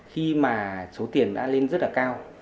khi mà số tiền đã lên rất là cao